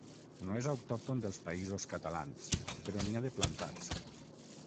No és autòcton dels Països Catalans, però n'hi ha de plantats.